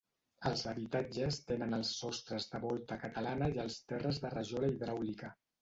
Els habitatges tenen els sostres de volta catalana i els terres de rajola hidràulica.